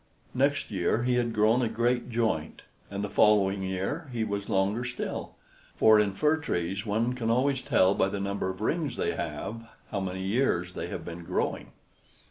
Next year he had grown a great joint, and the following year he was longer still, for in fir trees one can always tell by the number of rings they have how many years they have been growing.